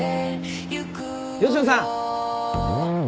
吉野さん！